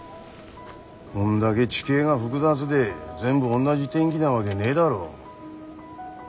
こんだげ地形が複雑で全部おんなじ天気なわげねえだろ。